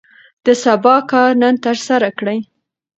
د سبا کار نن ترسره کړئ.